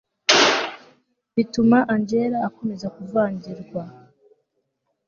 bituma angella akomeza kuvangirwa